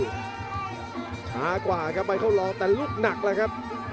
ช้ากว่าครับไมค์เขาลองแต่ลุกหนักเลยครับ